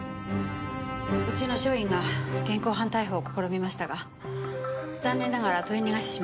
うちの署員が現行犯逮捕を試みましたが残念ながら取り逃がしてしまいました。